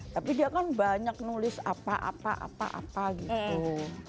tapi dia kan banyak nulis apa apa apa gitu